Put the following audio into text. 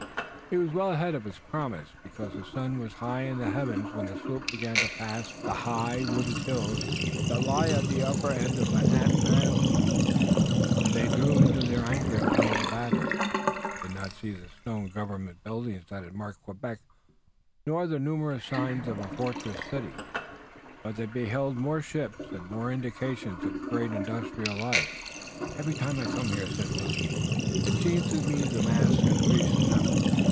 He was well ahead of his promise, because the sun was high in the heavens when the sloop began to pass the high, wooded hills that lie at the upper end of Manhattan Island, and they drew in to their anchorage near the Battery. They did not see the stone government buildings that had marked Quebec, nor the numerous signs of a fortress city, but they beheld more ships and more indications of a great industrial life. "Every time I come here," said Willet, "it seems to me that the masts increase in number.